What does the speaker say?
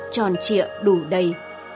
tròn trịa đủ đầy